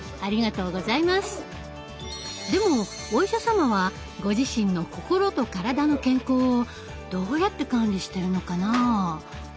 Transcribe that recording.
でもお医者様はご自身の心と体の健康をどうやって管理してるのかな？